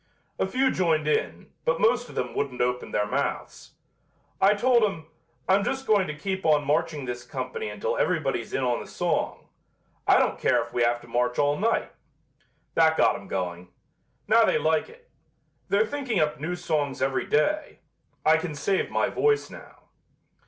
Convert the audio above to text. A few joined in, but most of them wouldn't open their mouths. I told 'em, 'I'm just going to keep on marching this company until everybody's in on the song. I don't care if we have to march all night.' That got 'em going. Now they like it. They're thinking up new songs every day. I can save my voice now."